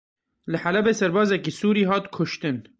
Li Helebê serbazekî Sûrî hat kuştin.